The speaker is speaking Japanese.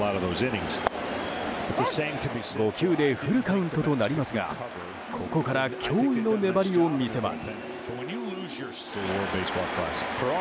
５球でフルカウントとなりますがここから驚異の粘りを見せます。